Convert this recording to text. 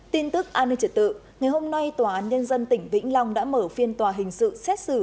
tin tức an ninh trật tự ngày hôm nay tòa án nhân dân tỉnh vĩnh long đã mở phiên tòa hình sự xét xử